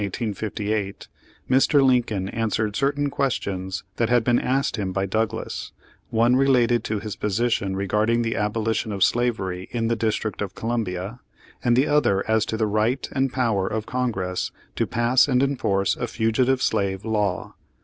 Page Thirty seven In the debate at Freeport, Illinois, August 2, 1858, Mr. Lincoln answered certain questions that had been asked him by Douglas, one related to his position regarding the abolition of slavery in the District of Columbia, and the other as to the right and power of Congress to pass and enforce a Fu gitive Slave Law.